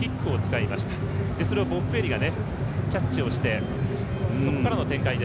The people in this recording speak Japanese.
それをボッフェーリがキャッチしてそこからの展開。